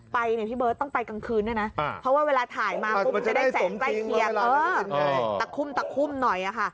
ไปเนี่ยพี่เบิร์ดต้องไปกลางคืนด้วยนะเพราะว่าเวลาถ่ายมาก็จะได้แสงใกล้เคียง